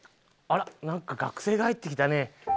あらなんか学生が入ってきたね。